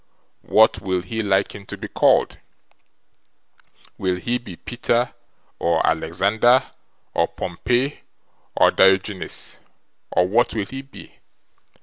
What will he like him to be called? Will he be Peter, or Alexander, or Pompey, or Diorgeenes, or what will he be?"